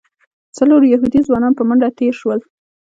څلور یهودي ځوانان په منډه تېر شول.